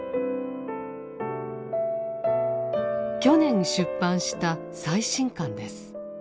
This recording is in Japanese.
去年出版した最新刊です。